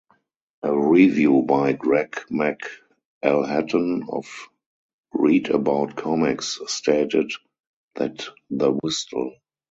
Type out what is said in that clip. A review by Greg McElhatton of Read About Comics stated that the Whistle!